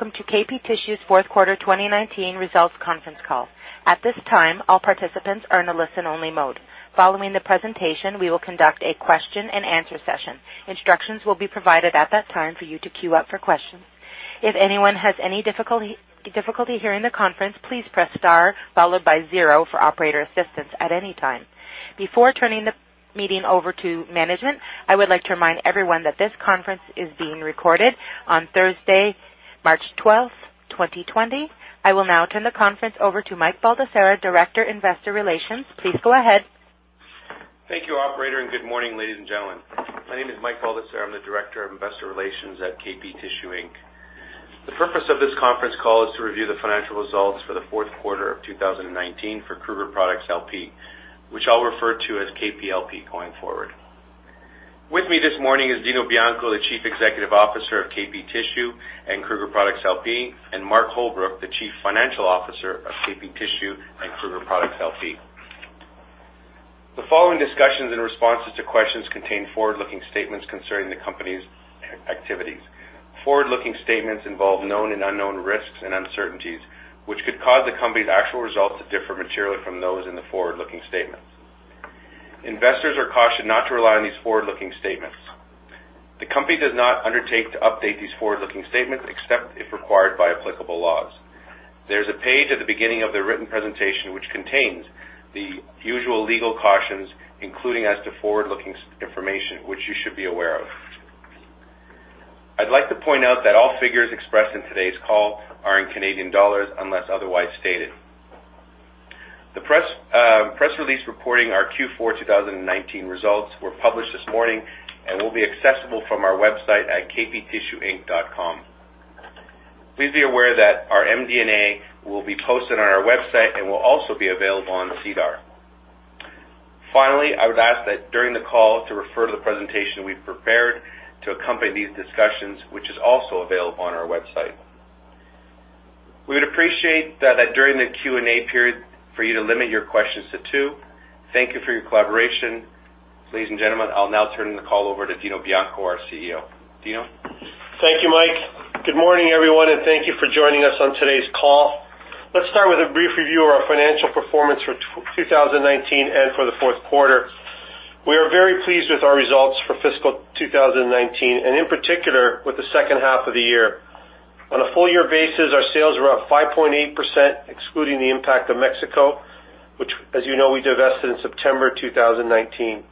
Welcome to KP Tissue's Fourth Quarter 2019 Results Conference Call. At this time, all participants are in a listen-only mode. Following the presentation, we will conduct a question-and-answer session. Instructions will be provided at that time for you to queue up for questions. If anyone has any difficulty hearing the conference, please press star followed by zero for operator assistance at any time. Before turning the meeting over to management, I would like to remind everyone that this conference is being recorded on Thursday, March 12th, 2020. I will now turn the conference over to Mike Baldesarra, Director, Investor Relations. Please go ahead. Thank you, Operator, and good morning, ladies and gentlemen. My name is Mike Baldesarra. I'm the Director of Investor Relations at KP Tissue Inc. The purpose of this conference call is to review the financial results for the fourth quarter of 2019 for Kruger Products L.P., which I'll refer to as KP L.P. going forward. With me this morning is Dino Bianco, the Chief Executive Officer of KP Tissue and Kruger Products L.P., and Mark Holbrook, the Chief Financial Officer of KP Tissue and Kruger Products L.P. The following discussions and responses to questions contain forward-looking statements concerning the company's activities. Forward-looking statements involve known and unknown risks and uncertainties, which could cause the company's actual results to differ materially from those in the forward-looking statements. Investors are cautioned not to rely on these forward-looking statements. The company does not undertake to update these forward-looking statements except if required by applicable laws. There's a page at the beginning of the written presentation which contains the usual legal cautions, including as to forward-looking information, which you should be aware of. I'd like to point out that all figures expressed in today's call are in Canadian dollars unless otherwise stated. The press release reporting our Q4 2019 results was published this morning and will be accessible from our website at kptissueinc.com. Please be aware that our MD&A will be posted on our website and will also be available on SEDAR. Finally, I would ask that during the call to refer to the presentation we've prepared to accompany these discussions, which is also available on our website. We would appreciate that during the Q&A period for you to limit your questions to two. Thank you for your collaboration. Ladies and gentlemen, I'll now turn the call over to Dino Bianco, our CEO. Dino? Thank you, Mike. Good morning, everyone, and thank you for joining us on today's call. Let's start with a brief review of our financial performance for 2019 and for the fourth quarter. We are very pleased with our results for fiscal 2019, and in particular with the second half of the year. On a full-year basis, our sales were up 5.8%, excluding the impact of Mexico, which, as you know, we divested in September 2019.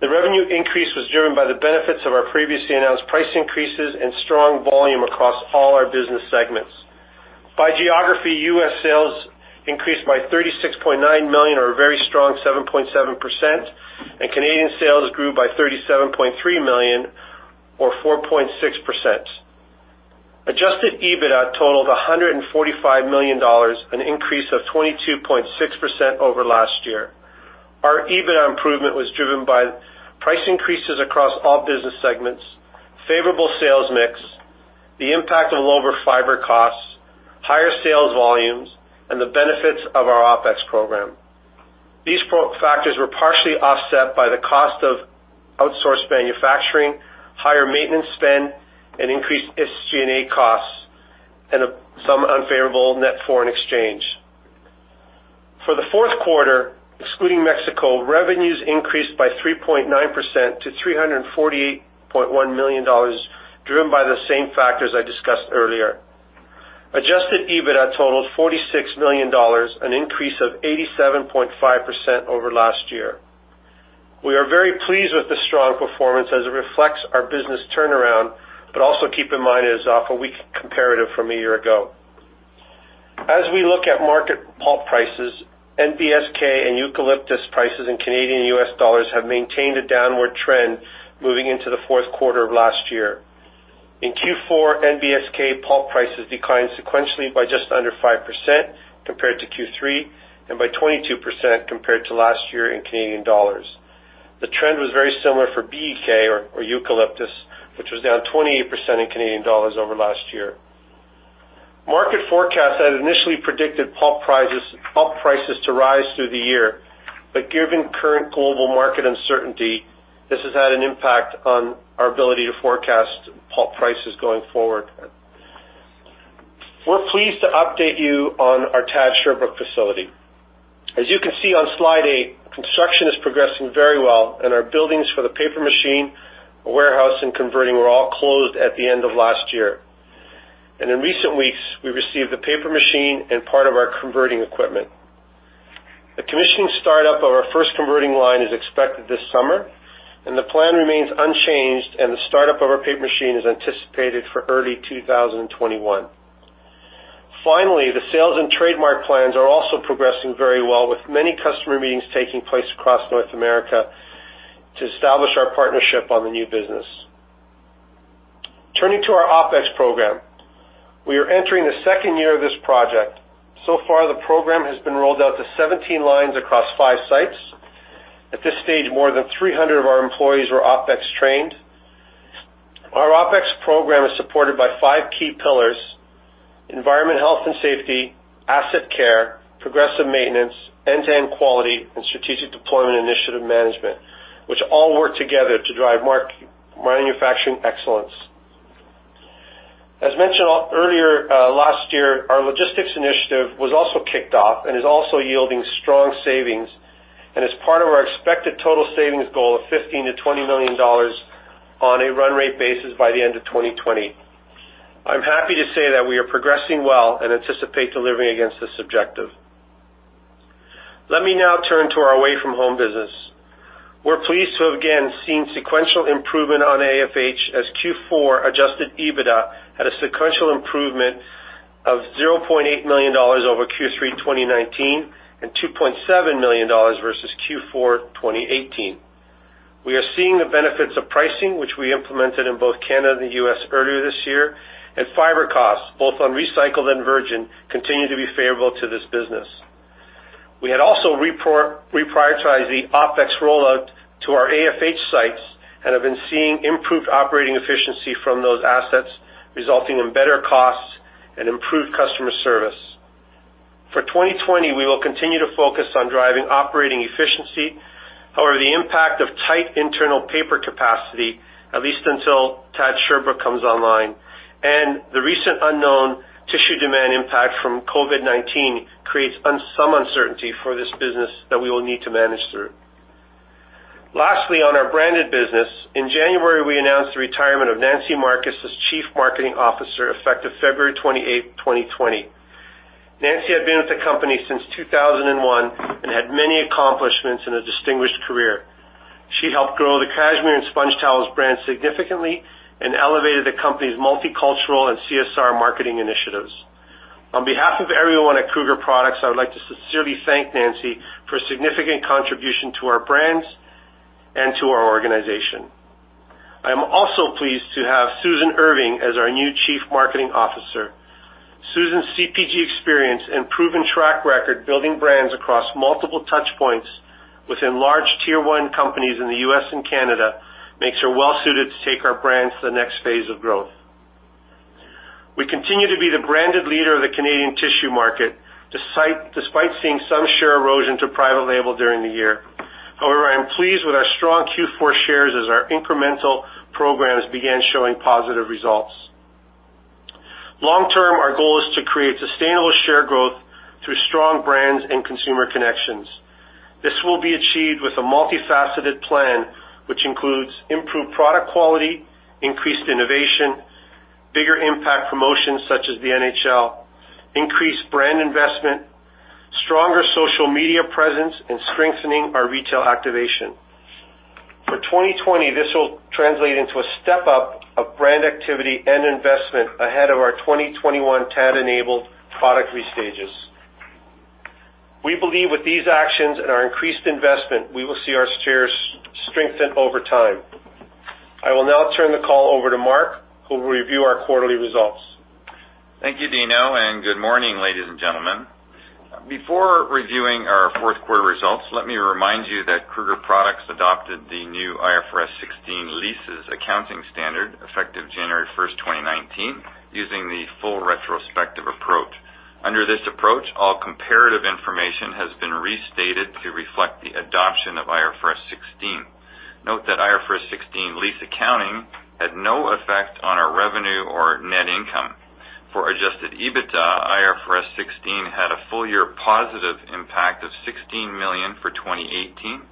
The revenue increase was driven by the benefits of our previously announced price increases and strong volume across all our business segments. By geography, U.S. sales increased by 36.9 million, or a very strong 7.7%, and Canadian sales grew by 37.3 million, or 4.6%. Adjusted EBITDA totaled 145 million dollars, an increase of 22.6% over last year. Our EBITDA improvement was driven by price increases across all business segments, favorable sales mix, the impact of lower fiber costs, higher sales volumes, and the benefits of our OpEx program. These factors were partially offset by the cost of outsourced manufacturing, higher maintenance spend, and increased SG&A costs, and some unfavorable net foreign exchange. For the fourth quarter, excluding Mexico, revenues increased by 3.9% to $348.1 million, driven by the same factors I discussed earlier. Adjusted EBITDA totaled $46 million, an increase of 87.5% over last year. We are very pleased with the strong performance as it reflects our business turnaround, but also keep in mind it is off a weak comparative from a year ago. As we look at market pulp prices, NBSK and eucalyptus prices in Canadian and U.S. dollars have maintained a downward trend moving into the fourth quarter of last year. In Q4, NBSK pulp prices declined sequentially by just under 5% compared to Q3 and by 22% compared to last year in Canadian dollars. The trend was very similar for BEK, or eucalyptus, which was down 28% in Canadian dollars over last year. Market forecasts had initially predicted pulp prices to rise through the year, but given current global market uncertainty, this has had an impact on our ability to forecast pulp prices going forward. We're pleased to update you on our TAD Sherbrooke facility. As you can see on Slide eight, construction is progressing very well, and our buildings for the paper machine, warehouse, and converting were all closed at the end of last year. In recent weeks, we received the paper machine and part of our converting equipment. The commissioning startup of our first converting line is expected this summer, and the plan remains unchanged, and the startup of our paper machine is anticipated for early 2021. Finally, the sales and trademark plans are also progressing very well, with many customer meetings taking place across North America to establish our partnership on the new business. Turning to our OpEx program, we are entering the second year of this project. So far, the program has been rolled out to 17 lines across five sites. At this stage, more than 300 of our employees were OpEx trained. Our OpEx program is supported by five key pillars: environment, health and safety, asset care, progressive maintenance, end-to-end quality, and strategic deployment initiative management, which all work together to drive manufacturing excellence. As mentioned earlier last year, our logistics initiative was also kicked off and is also yielding strong savings, and as part of our expected total savings goal of $15 million-$20 million on a run rate basis by the end of 2020. I'm happy to say that we are progressing well and anticipate delivering against this objective. Let me now turn to our away-from-home business. We're pleased to have again seen sequential improvement on AFH as Q4 Adjusted EBITDA had a sequential improvement of $0.8 million over Q3 2019 and $2.7 million versus Q4 2018. We are seeing the benefits of pricing, which we implemented in both Canada and the U.S. earlier this year, and fiber costs, both on recycled and virgin, continue to be favorable to this business. We had also reprioritized the OpEx rollout to our AFH sites and have been seeing improved operating efficiency from those assets, resulting in better costs and improved customer service. For 2020, we will continue to focus on driving operating efficiency. However, the impact of tight internal paper capacity, at least until TAD Sherbrooke comes online, and the recent unknown tissue demand impact from COVID-19 creates some uncertainty for this business that we will need to manage through. Lastly, on our branded business, in January, we announced the retirement of Nancy Marcus as Chief Marketing Officer effective February 28, 2020. Nancy had been with the company since 2001 and had many accomplishments in a distinguished career. She helped grow the Cashmere and SpongeTowels brand significantly and elevated the company's multicultural and CSR marketing initiatives. On behalf of everyone at Kruger Products, I would like to sincerely thank Nancy for a significant contribution to our brands and to our organization. I am also pleased to have Susan Irving as our new Chief Marketing Officer. Susan's CPG experience and proven track record building brands across multiple touchpoints within large tier-one companies in the U.S. and Canada makes her well-suited to take our brands to the next phase of growth. We continue to be the branded leader of the Canadian tissue market despite seeing some share erosion to private label during the year. However, I am pleased with our strong Q4 shares as our incremental programs began showing positive results. Long-term, our goal is to create sustainable share growth through strong brands and consumer connections. This will be achieved with a multifaceted plan, which includes improved product quality, increased innovation, bigger impact promotions such as the NHL, increased brand investment, stronger social media presence, and strengthening our retail activation. For 2020, this will translate into a step-up of brand activity and investment ahead of our 2021 TAD-enabled product restages. We believe with these actions and our increased investment, we will see our shares strengthen over time. I will now turn the call over to Mark, who will review our quarterly results. Thank you, Dino, and good morning, ladies and gentlemen. Before reviewing our fourth quarter results, let me remind you that Kruger Products adopted the new IFRS 16 leases accounting standard effective January 1st, 2019, using the full retrospective approach. Under this approach, all comparative information has been restated to reflect the adoption of IFRS 16. Note that IFRS 16 lease accounting had no effect on our revenue or net income. For Adjusted EBITDA, IFRS 16 had a full-year positive impact of 16 million for 2018,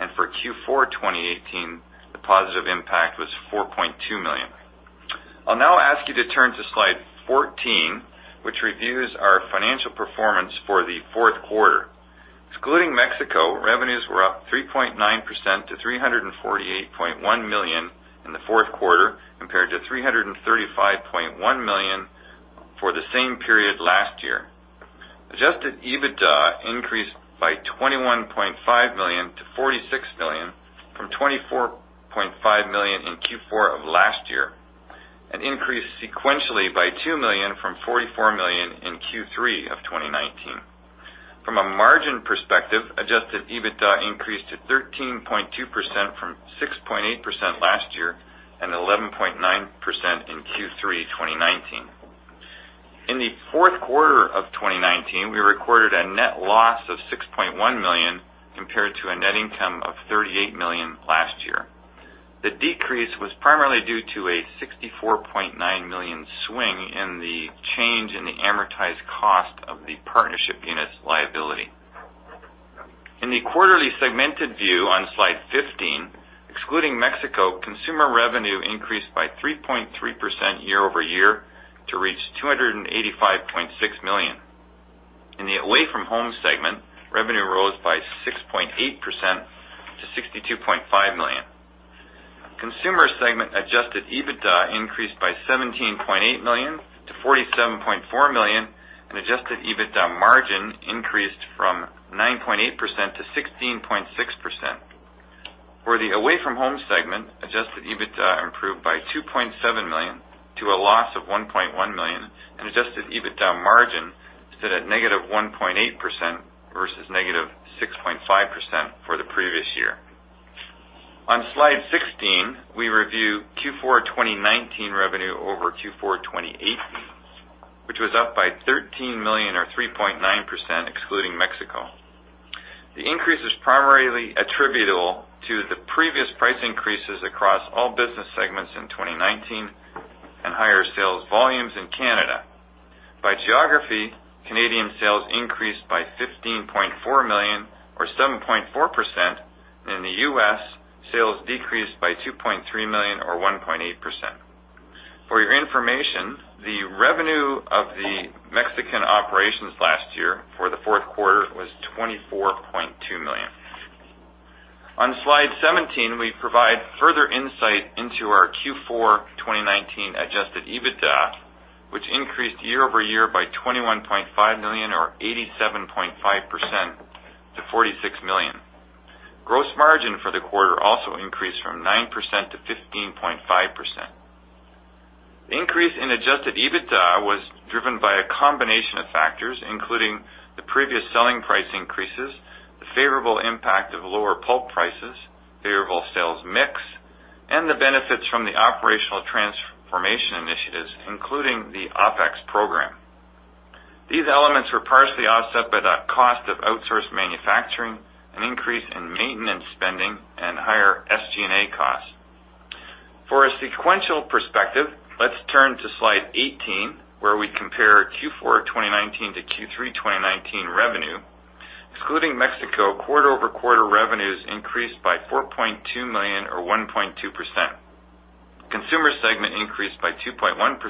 and for Q4 2018, the positive impact was 4.2 million. I'll now ask you to turn to Slide 14, which reviews our financial performance for the fourth quarter. Excluding Mexico, revenues were up 3.9% to 348.1 million in the fourth quarter compared to 335.1 million for the same period last year. Adjusted EBITDA increased by $21.5 million-$46 million from $24.5 million in Q4 of last year and increased sequentially by $2 million from $44 million in Q3 of 2019. From a margin perspective, adjusted EBITDA increased to 13.2% from 6.8% last year and 11.9% in Q3 2019. In the fourth quarter of 2019, we recorded a net loss of $6.1 million compared to a net income of $38 million last year. The decrease was primarily due to a $64.9 million swing in the change in the amortized cost of the partnership unit's liability. In the quarterly segmented view on Slide 15, excluding Mexico, consumer revenue increased by 3.3% year-over-year to reach $285.6 million. In the away-from-home segment, revenue rose by 6.8% to $62.5 million. Consumer segment Adjusted EBITDA increased by $17.8 million-$47.4 million, and Adjusted EBITDA margin increased from 9.8%-16.6%. For the away-from-home segment, Adjusted EBITDA improved by 2.7 million to a loss of 1.1 million, and Adjusted EBITDA margin stood at -1.8% versus -6.5% for the previous year. On Slide 16, we review Q4 2019 revenue over Q4 2018, which was up by 13 million, or 3.9%, excluding Mexico. The increase is primarily attributable to the previous price increases across all business segments in 2019 and higher sales volumes in Canada. By geography, Canadian sales increased by 15.4 million, or 7.4%, and in the U.S., sales decreased by 2.3 million, or 1.8%. For your information, the revenue of the Mexican operations last year for the fourth quarter was 24.2 million. On Slide 17, we provide further insight into our Q4 2019 Adjusted EBITDA, which increased year-over-year by 21.5 million, or 87.5%, to 46 million. Gross margin for the quarter also increased from 9%-15.5%. The increase in Adjusted EBITDA was driven by a combination of factors, including the previous selling price increases, the favorable impact of lower pulp prices, favorable sales mix, and the benefits from the operational transformation initiatives, including the OpEx program. These elements were partially offset by the cost of outsourced manufacturing, an increase in maintenance spending, and higher SG&A costs. For a sequential perspective, let's turn to Slide 18, where we compare Q4 2019 to Q3 2019 revenue. Excluding Mexico, quarter-over-quarter revenues increased by 4.2 million, or 1.2%. Consumer segment increased by 2.1%,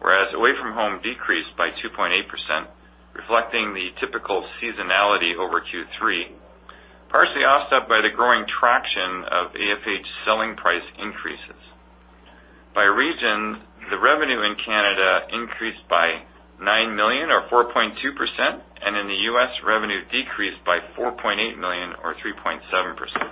whereas away-from-home decreased by 2.8%, reflecting the typical seasonality over Q3, partially offset by the growing traction of AFH selling price increases. By region, the revenue in Canada increased by 9 million, or 4.2%, and in the U.S., revenue decreased by 4.8 million, or 3.7%.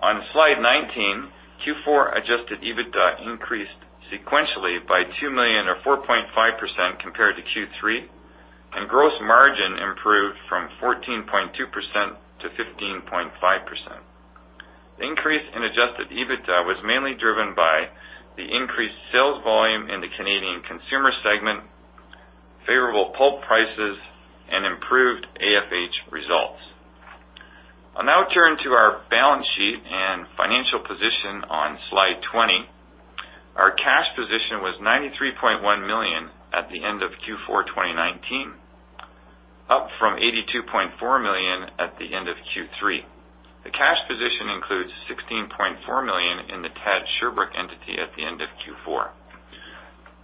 On slide 19, Q4 Adjusted EBITDA increased sequentially by $2 million, or 4.5%, compared to Q3, and gross margin improved from 14.2%-15.5%. The increase in Adjusted EBITDA was mainly driven by the increased sales volume in the Canadian consumer segment, favorable pulp prices, and improved AFH results. I'll now turn to our balance sheet and financial position on Slide 20. Our cash position was $93.1 million at the end of Q4 2019, up from $82.4 million at the end of Q3. The cash position includes $16.4 million in the TAD Sherbrooke entity at the end of Q4.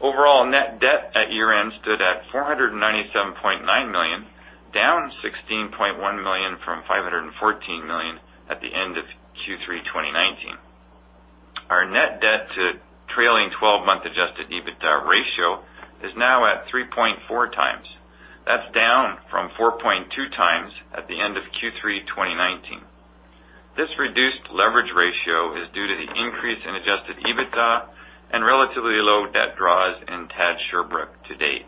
Overall net debt at year-end stood at $497.9 million, down $16.1 million from $514 million at the end of Q3 2019. Our net debt to trailing 12-month Adjusted EBITDA ratio is now at 3.4 times. That's down from 4.2x at the end of Q3 2019. This reduced leverage ratio is due to the increase in Adjusted EBITDA and relatively low debt draws in TAD Sherbrooke to date.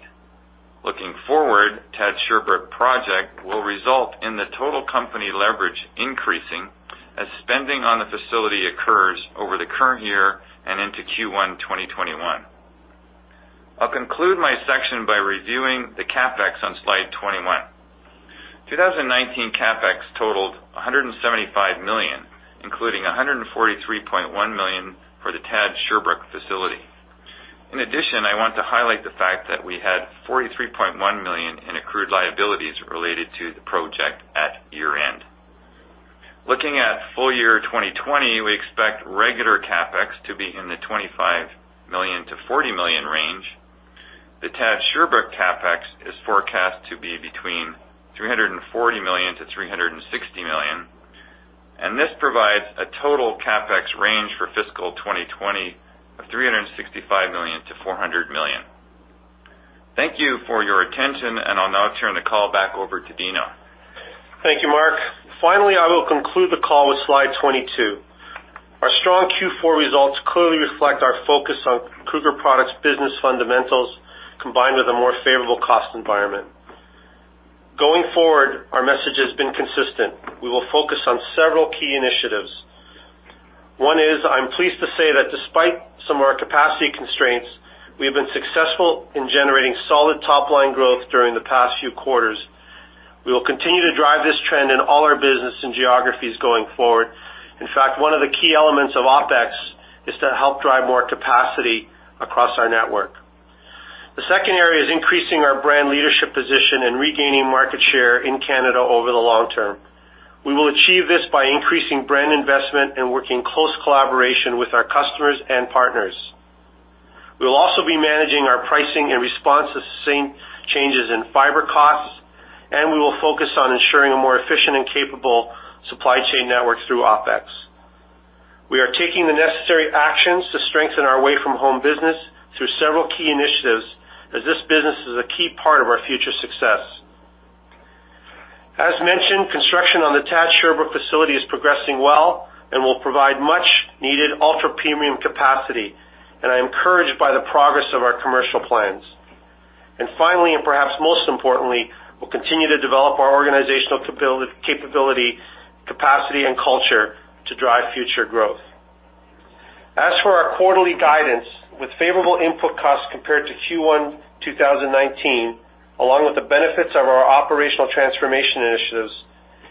Looking forward, TAD Sherbrooke project will result in the total company leverage increasing as spending on the facility occurs over the current year and into Q1 2021. I'll conclude my section by reviewing the CapEx on Slide 21. 2019 CapEx totaled 175 million, including 143.1 million for the TAD Sherbrooke facility. In addition, I want to highlight the fact that we had 43.1 million in accrued liabilities related to the project at year-end. Looking at full year 2020, we expect regular CapEx to be in the 25 million-40 million range. The TAD Sherbrooke CapEx is forecast to be between 340 million-360 million, and this provides a total CapEx range for fiscal 2020 of 365 million-400 million. Thank you for your attention, and I'll now turn the call back over to Dino. Thank you, Mark. Finally, I will conclude the call with Slide 22. Our strong Q4 results clearly reflect our focus on Kruger Products' business fundamentals combined with a more favorable cost environment. Going forward, our message has been consistent. We will focus on several key initiatives. One is I'm pleased to say that despite some of our capacity constraints, we have been successful in generating solid top-line growth during the past few quarters. We will continue to drive this trend in all our business and geographies going forward. In fact, one of the key elements of OpEx is to help drive more capacity across our network. The second area is increasing our brand leadership position and regaining market share in Canada over the long term. We will achieve this by increasing brand investment and working in close collaboration with our customers and partners. We will also be managing our pricing and response to sustained changes in fiber costs, and we will focus on ensuring a more efficient and capable supply chain network through OpEx. We are taking the necessary actions to strengthen our away-from-home business through several key initiatives as this business is a key part of our future success. As mentioned, construction on the TAD Sherbrooke facility is progressing well and will provide much-needed ultra-premium capacity, and I'm encouraged by the progress of our commercial plans. And finally, and perhaps most importantly, we'll continue to develop our organizational capability, capacity, and culture to drive future growth. As for our quarterly guidance, with favorable input costs compared to Q1 2019, along with the benefits of our operational transformation initiatives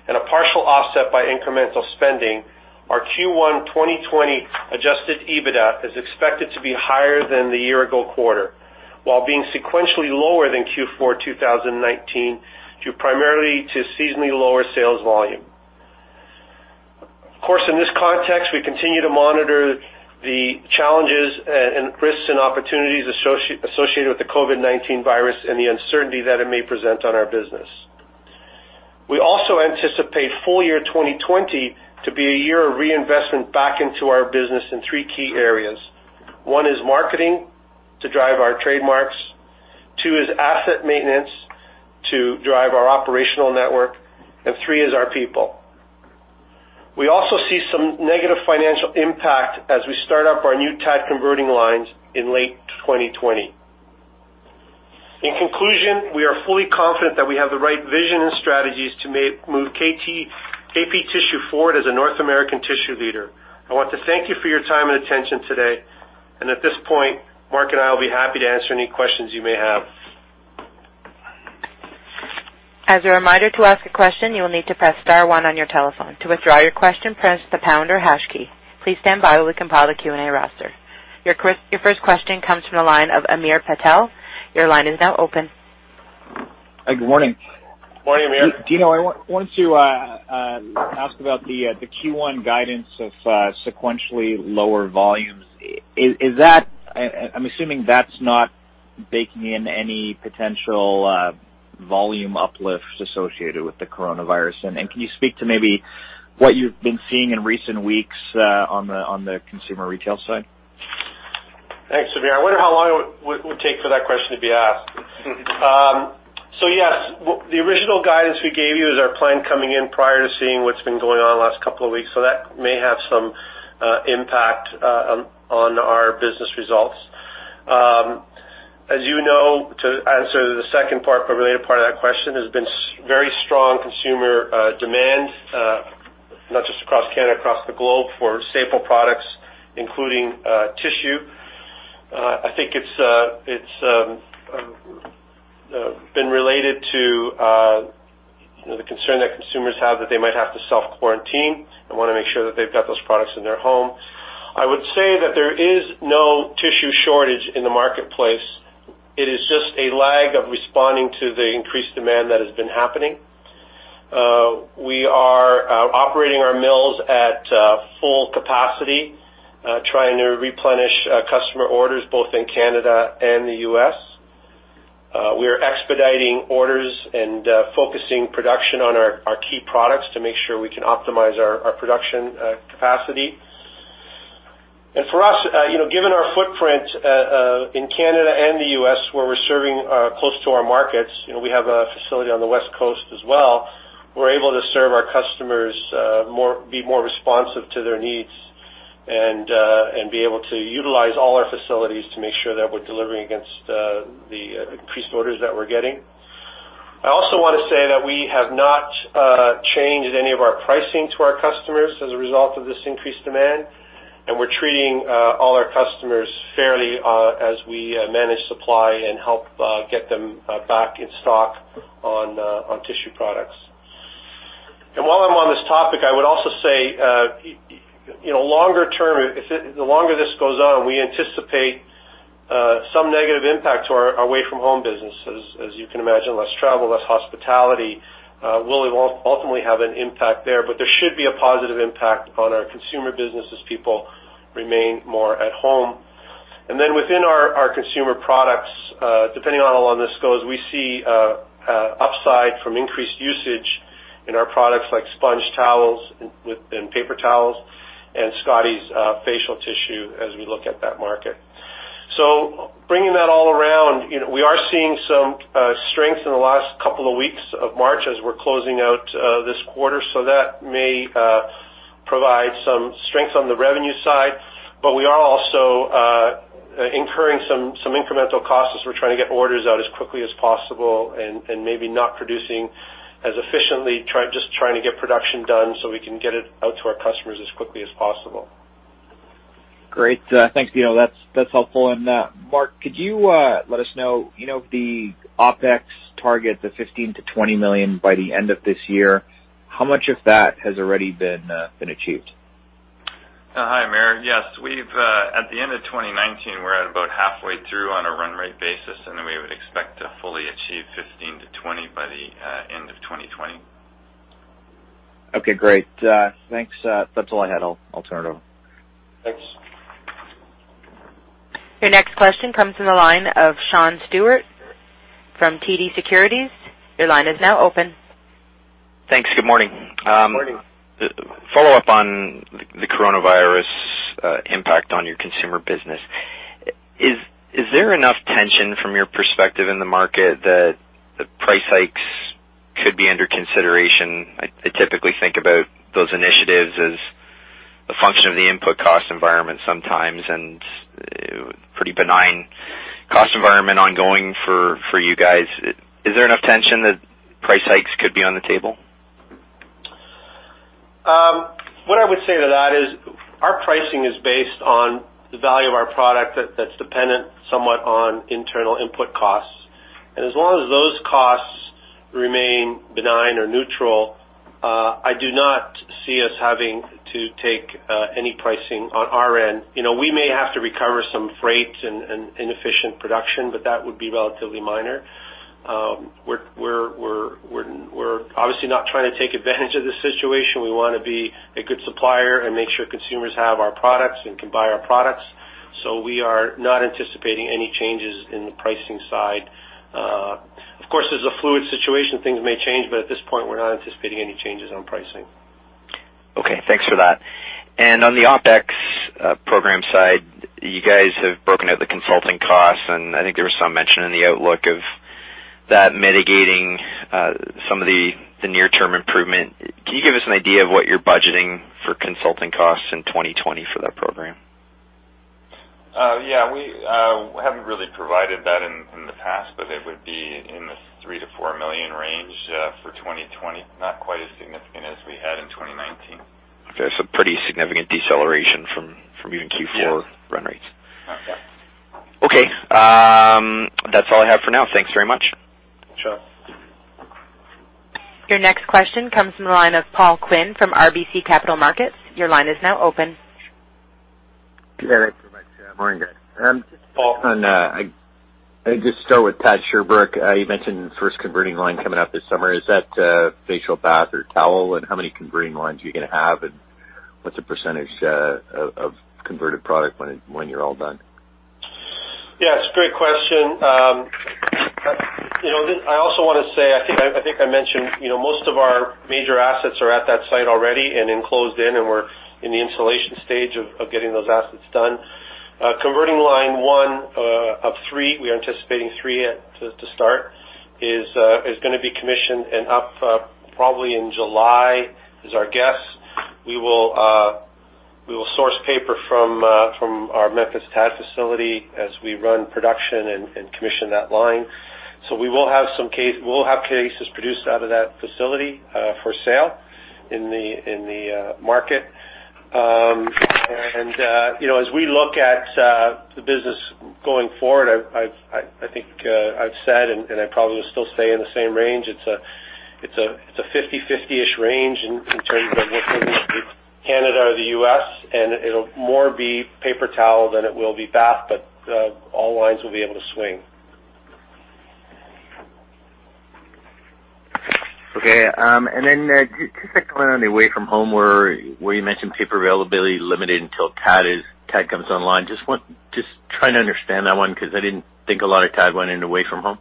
and a partial offset by incremental spending, our Q1 2020 Adjusted EBITDA is expected to be higher than the year-ago quarter, while being sequentially lower than Q4 2019 due primarily to seasonally lower sales volume. Of course, in this context, we continue to monitor the challenges and risks and opportunities associated with the COVID-19 virus and the uncertainty that it may present on our business. We also anticipate full year 2020 to be a year of reinvestment back into our business in three key areas. One is marketing to drive our trademarks. Two is asset maintenance to drive our operational network. And three is our people. We also see some negative financial impact as we start up our new TAD converting lines in late 2020. In conclusion, we are fully confident that we have the right vision and strategies to move KP Tissue forward as a North American tissue leader. I want to thank you for your time and attention today. At this point, Mark and I will be happy to answer any questions you may have. As a reminder to ask a question, you will need to press star one on your telephone. To withdraw your question, press the pound or hash key. Please stand by while we compile the Q&A roster. Your first question comes from the line of Hamir Patel. Your line is now open. Hi, good morning. Morning, Hamir. Dino, I wanted to ask about the Q1 guidance of sequentially lower volumes. I'm assuming that's not baking in any potential volume uplift associated with the coronavirus. Can you speak to maybe what you've been seeing in recent weeks on the consumer retail side? Thanks, Hamir. I wonder how long it would take for that question to be asked. So yes, the original guidance we gave you is our plan coming in prior to seeing what's been going on the last couple of weeks. So that may have some impact on our business results. As you know, to answer the second part, the related part of that question, there's been very strong consumer demand, not just across Canada, across the globe, for sample products, including tissue. I think it's been related to the concern that consumers have that they might have to self-quarantine and want to make sure that they've got those products in their home. I would say that there is no tissue shortage in the marketplace. It is just a lag of responding to the increased demand that has been happening. We are operating our mills at full capacity, trying to replenish customer orders both in Canada and the U.S. We are expediting orders and focusing production on our key products to make sure we can optimize our production capacity. And for us, given our footprint in Canada and the U.S., where we're serving close to our markets, we have a facility on the West Coast as well, we're able to serve our customers, be more responsive to their needs, and be able to utilize all our facilities to make sure that we're delivering against the increased orders that we're getting. I also want to say that we have not changed any of our pricing to our customers as a result of this increased demand, and we're treating all our customers fairly as we manage supply and help get them back in stock on tissue products. And while I'm on this topic, I would also say, longer term, the longer this goes on, we anticipate some negative impact to our away-from-home business. As you can imagine, less travel, less hospitality will ultimately have an impact there, but there should be a positive impact on our consumer business as people remain more at home. And then within our consumer products, depending on how long this goes, we see upside from increased usage in our products like SpongeTowels and paper towels and Scotties facial tissue as we look at that market. So bringing that all around, we are seeing some strength in the last couple of weeks of March as we're closing out this quarter. So that may provide some strength on the revenue side, but we are also incurring some incremental costs as we're trying to get orders out as quickly as possible and maybe not producing as efficiently, just trying to get production done so we can get it out to our customers as quickly as possible. Great. Thanks, Dino. That's helpful. And Mark, could you let us know, the OpEx targets, the 15 million-20 million by the end of this year, how much of that has already been achieved? Hi, Hamir. Yes, at the end of 2019, we're at about halfway through on a run rate basis, and we would expect to fully achieve 15-20 by the end of 2020. Okay, great. Thanks. That's all I had. I'll turn it over. Thanks. Your next question comes from the line of Sean Steuart from TD Securities. Your line is now open. Thanks. Good morning. Good morning. Follow up on the coronavirus impact on your consumer business. Is there enough tension from your perspective in the market that the price hikes could be under consideration? I typically think about those initiatives as a function of the input cost environment sometimes and a pretty benign cost environment ongoing for you guys. Is there enough tension that price hikes could be on the table? What I would say to that is our pricing is based on the value of our product that's dependent somewhat on internal input costs. As long as those costs remain benign or neutral, I do not see us having to take any pricing on our end. We may have to recover some freight and inefficient production, but that would be relatively minor. We're obviously not trying to take advantage of this situation. We want to be a good supplier and make sure consumers have our products and can buy our products. So we are not anticipating any changes in the pricing side. Of course, there's a fluid situation. Things may change, but at this point, we're not anticipating any changes on pricing. Okay. Thanks for that. On the OpEx program side, you guys have broken out the consulting costs, and I think there was some mention in the outlook of that mitigating some of the near-term improvement. Can you give us an idea of what you're budgeting for consulting costs in 2020 for that program? Yeah. We haven't really provided that in the past, but it would be in the 3 million-4 million range for 2020. Not quite as significant as we had in 2019. Okay. So pretty significant deceleration from even Q4 run rates. Yes. Yeah. Okay. That's all I have for now. Thanks very much. Sure. Your next question comes from the line of Paul Quinn from RBC Capital Markets. Your line is now open. Good morning, guys. Paul, I just start with TAD Sherbrooke. You mentioned first converting line coming up this summer. Is that facial bath or towel? And how many converting lines are you going to have, and what's the percentage of converted product when you're all done? Yeah. It's a great question. I also want to say, I think I mentioned most of our major assets are at that site already and enclosed in, and we're in the installation stage of getting those assets done. Converting line one of three, we are anticipating three to start, is going to be commissioned and up probably in July is our guess. We will source paper from our Memphis TAD facility as we run production and commission that line. So we will have cases produced out of that facility for sale in the market. And as we look at the business going forward, I think I've said, and I probably will still say in the same range, it's a 50/50-ish range in terms of Canada or the U.S., and it'll more be paper towel than it will be bath, but all lines will be able to swing. Okay. And then just a comment on the away-from-home where you mentioned paper availability limited until TAD comes online. Just trying to understand that one because I didn't think a lot of TAD went into away-from-home.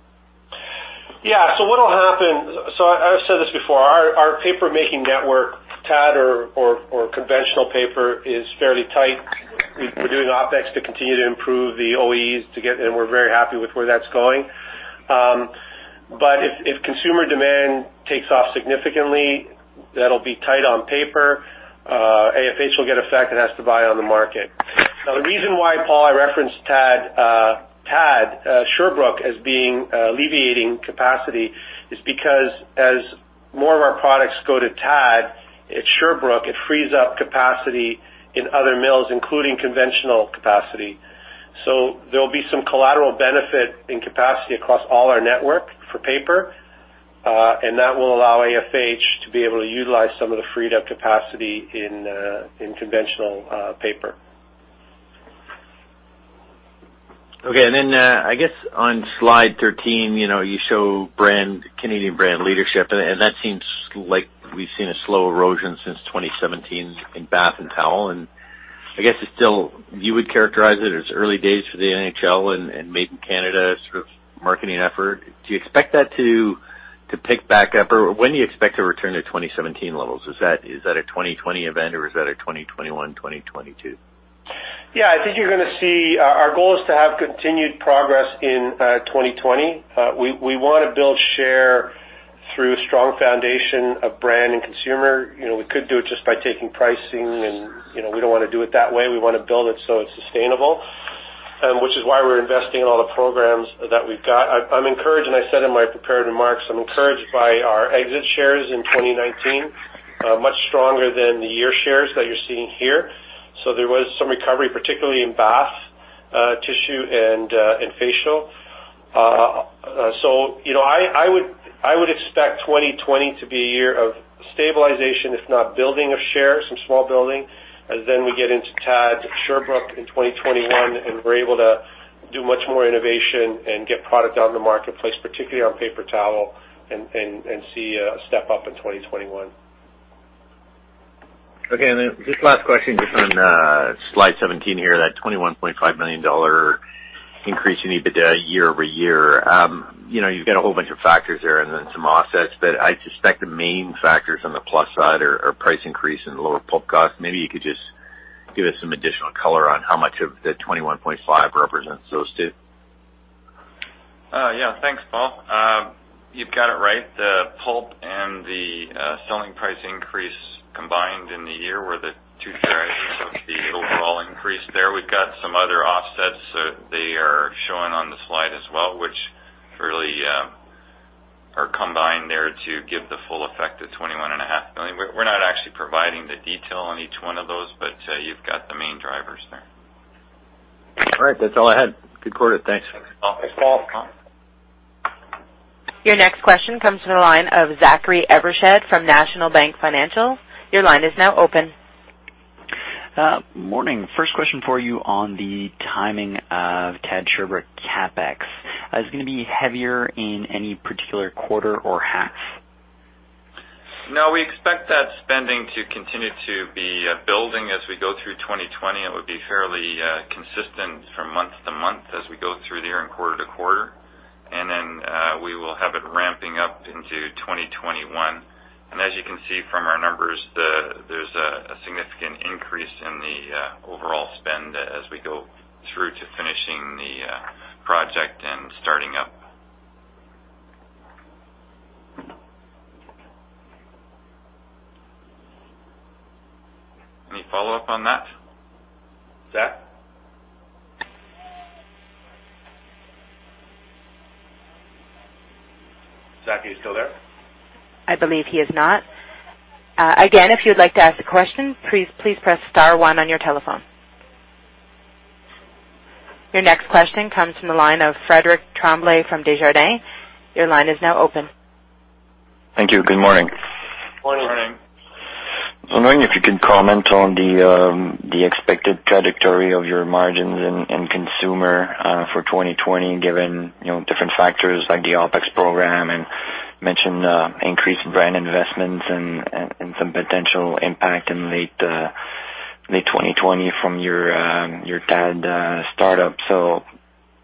Yeah. So what'll happen? So I've said this before. Our paper-making network, TAD or conventional paper, is fairly tight. We're doing OpEx to continue to improve the OEEs, and we're very happy with where that's going. But if consumer demand takes off significantly, that'll be tight on paper. AFH will get affected as to buy on the market. Now, the reason why, Paul, I referenced TAD Sherbrooke as being alleviating capacity is because as more of our products go to TAD at Sherbrooke, it frees up capacity in other mills, including conventional capacity. So there'll be some collateral benefit in capacity across all our network for paper, and that will allow AFH to be able to utilize some of the freed-up capacity in conventional paper. Okay. And then I guess on Slide 13, you show Canadian brand leadership, and that seems like we've seen a slow erosion since 2017 in bath and towel. And I guess it's still, you would characterize it as early days for the NHL and made in Canada sort of marketing effort. Do you expect that to pick back up, or when do you expect to return to 2017 levels? Is that a 2020 event, or is that a 2021, 2022? Yeah. I think you're going to see our goal is to have continued progress in 2020. We want to build share through a strong foundation of brand and consumer. We could do it just by taking pricing, and we don't want to do it that way. We want to build it so it's sustainable, which is why we're investing in all the programs that we've got. I'm encouraged, and I said in my prepared remarks, I'm encouraged by our exit shares in 2019, much stronger than the year shares that you're seeing here. So there was some recovery, particularly in bath tissue and facial. So I would expect 2020 to be a year of stabilization, if not building of share, some small building, as then we get into TAD Sherbrooke in 2021 and we're able to do much more innovation and get product out in the marketplace, particularly on paper towel, and see a step up in 2021. Okay. And then just last question just on Slide 17 here, that 21.5 million dollar increase in EBITDA year-over-year. You've got a whole bunch of factors there and then some offsets, but I suspect the main factors on the plus side are price increase and lower pulp costs. Maybe you could just give us some additional color on how much of the 21.5 million represents those two. Yeah. Thanks, Paul. You've got it right. The pulp and the selling price increase combined in the year were the two drivers of the overall increase there. We've got some other offsets, so they are showing on the slide as well, which really are combined there to give the full effect of 21.5 million. We're not actually providing the detail on each one of those, but you've got the main drivers there. All right. That's all I had. Good quarter. Thanks. Thanks, Paul. Your next question comes from the line of Zachary Evershed from National Bank Financial. Your line is now open. Morning. First question for you on the timing of TAD Sherbrooke CapEx. Is it going to be heavier in any particular quarter or half? No. We expect that spending to continue to be building as we go through 2020. It would be fairly consistent from month to month as we go through the year and quarter to quarter. And then we will have it ramping up into 2021. And as you can see from our numbers, there's a significant increase in the overall spend as we go through to finishing the project and starting up. Any follow-up on that? Zach? Zach, are you still there? I believe he is not. Again, if you'd like to ask a question, please press star one on your telephone. Your next question comes from the line of Frédéric Tremblay from Desjardins. Your line is now open. Thank you. Good morning. Good morning. Good morning. I'm wondering if you can comment on the expected trajectory of your margins and consumer for 2020 given different factors like the OpEx program and mentioned increased brand investments and some potential impact in late 2020 from your TAD startup.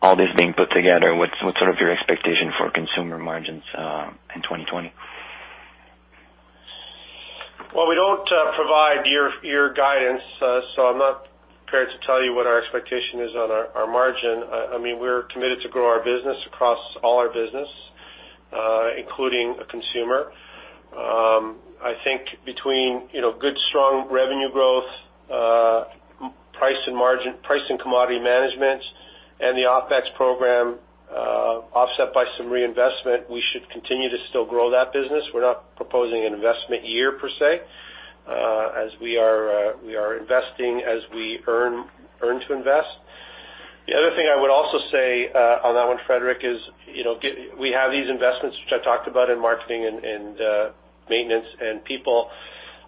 All this being put together, what's sort of your expectation for consumer margins in 2020? Well, we don't provide year-over-year guidance, so I'm not prepared to tell you what our expectation is on our margin. I mean, we're committed to grow our business across all our business, including consumer. I think between good, strong revenue growth, price and commodity management, and the OpEx program offset by some reinvestment, we should continue to still grow that business. We're not proposing an investment year per se as we are investing as we earn to invest. The other thing I would also say on that one, Frédéric, is we have these investments, which I talked about in marketing and maintenance and people.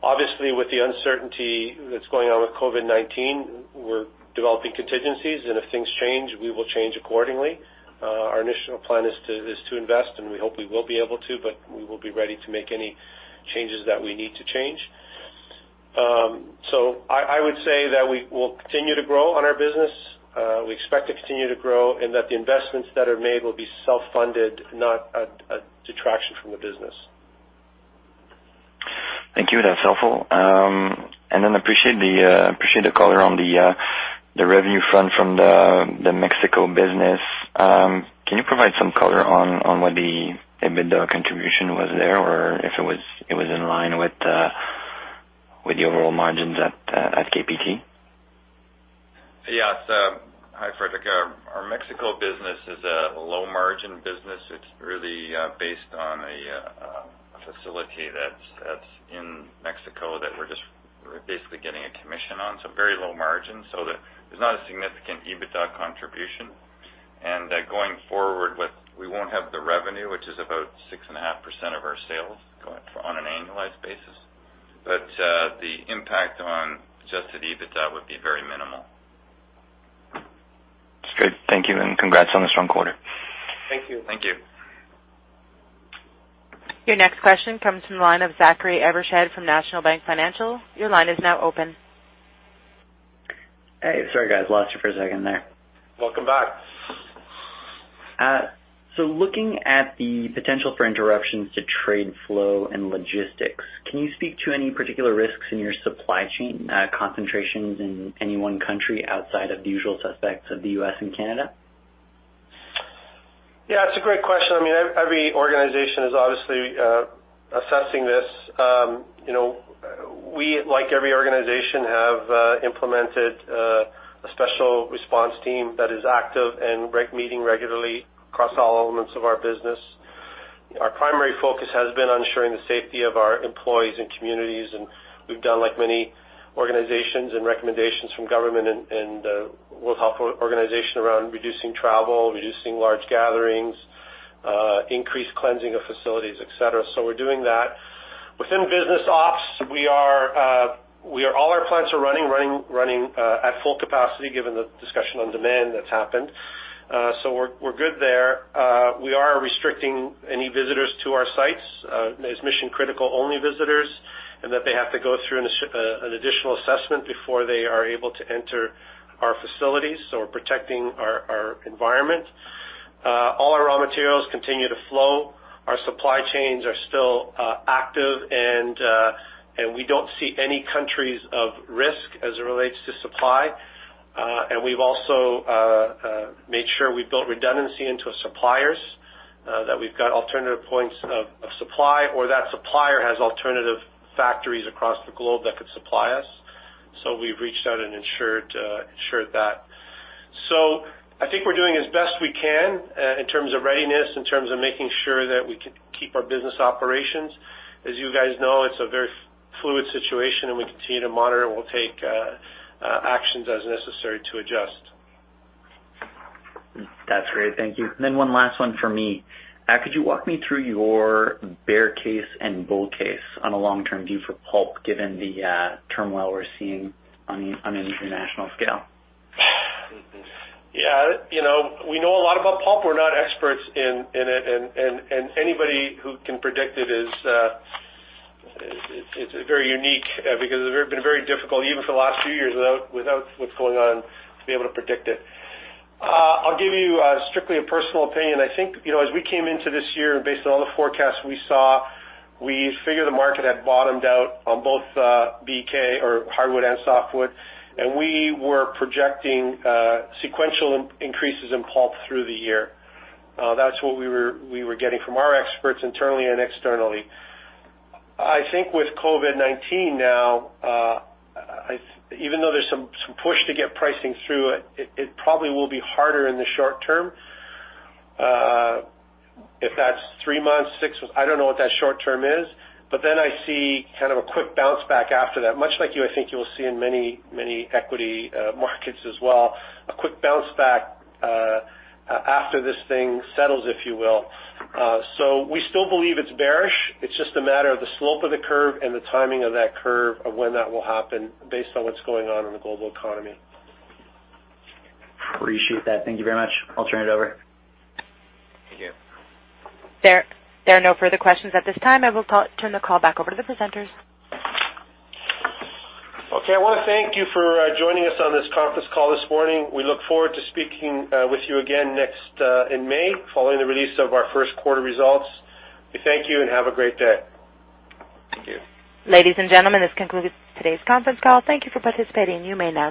Obviously, with the uncertainty that's going on with COVID-19, we're developing contingencies, and if things change, we will change accordingly. Our initial plan is to invest, and we hope we will be able to, but we will be ready to make any changes that we need to change. I would say that we will continue to grow on our business. We expect to continue to grow and that the investments that are made will be self-funded, not a detraction from the business. Thank you. That's helpful. Then I appreciate the color on the revenue front from the Mexico business. Can you provide some color on what the EBITDA contribution was there or if it was in line with the overall margins at KPT? Yes. Hi, Frédéric. Our Mexico business is a low-margin business. It's really based on a facility that's in Mexico that we're just basically getting a commission on. So very low margin. So there's not a significant EBITDA contribution. And going forward, we won't have the revenue, which is about 6.5% of our sales on an annualized basis. But the impact on Adjusted EBITDA would be very minimal. That's great. Thank you. And congrats on the strong quarter. Thank you. Thank you. Your next question comes from the line of Zachary Evershed from National Bank Financial. Your line is now open. Hey. Sorry, guys. Lost you for a second there. Welcome back. Looking at the potential for interruptions to trade flow and logistics, can you speak to any particular risks in your supply chain concentrations in any one country outside of the usual suspects of the U.S. and Canada? Yeah. It's a great question. I mean, every organization is obviously assessing this. We, like every organization, have implemented a special response team that is active and meeting regularly across all elements of our business. Our primary focus has been on ensuring the safety of our employees and communities, and we've done, like many organizations, and recommendations from government and World Health Organization around reducing travel, reducing large gatherings, increased cleansing of facilities, etc. So we're doing that. Within business ops, all our plants are running at full capacity given the discussion on demand that's happened. So we're good there. We are restricting any visitors to our sites as mission-critical-only visitors and that they have to go through an additional assessment before they are able to enter our facilities. So we're protecting our environment. All our raw materials continue to flow. Our supply chains are still active, and we don't see any countries of risk as it relates to supply. We've also made sure we built redundancy into our suppliers that we've got alternative points of supply or that supplier has alternative factories across the globe that could supply us. We've reached out and ensured that. I think we're doing as best we can in terms of readiness, in terms of making sure that we can keep our business operations. As you guys know, it's a very fluid situation, and we continue to monitor and we'll take actions as necessary to adjust. That's great. Thank you. And then one last one for me. Could you walk me through your bear case and bull case on a long-term view for pulp given the turmoil we're seeing on an international scale? Yeah. We know a lot about pulp. We're not experts in it, and anybody who can predict it is very unique because it's been very difficult, even for the last few years without what's going on, to be able to predict it. I'll give you strictly a personal opinion. I think as we came into this year and based on all the forecasts we saw, we figured the market had bottomed out on both hardwood and softwood, and we were projecting sequential increases in pulp through the year. That's what we were getting from our experts internally and externally. I think with COVID-19 now, even though there's some push to get pricing through, it probably will be harder in the short term. If that's three months, six months, I don't know what that short term is, but then I see kind of a quick bounce back after that. Much like you, I think you will see in many equity markets as well, a quick bounce back after this thing settles, if you will. So we still believe it's bearish. It's just a matter of the slope of the curve and the timing of that curve of when that will happen based on what's going on in the global economy. Appreciate that. Thank you very much. I'll turn it over. Thank you. There are no further questions at this time. I will turn the call back over to the presenters. Okay. I want to thank you for joining us on this conference call this morning. We look forward to speaking with you again next in May following the release of our first quarter results. We thank you and have a great day. Thank you. Ladies and gentlemen, this concludes today's conference call. Thank you for participating. You may now.